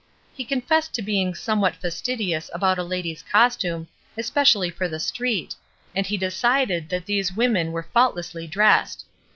He confessed to being somewhat fastidious about a lady's costume, especially for the street, and he decided that these women were faultlessly dressed.